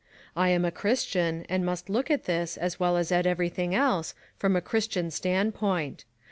I am a Christian, and must look at this, as well as at everything else, froih a Christian standpoint.